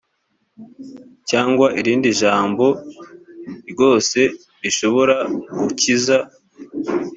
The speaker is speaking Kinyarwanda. cyangwa irindi jambo ryose rishobora gukiza